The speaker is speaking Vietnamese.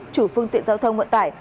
chủ phương tiện giao thông vận tải